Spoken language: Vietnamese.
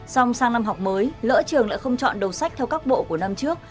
xong sang năm học mới lỡ trường lại không chọn đầu sách theo các bộ của năm trước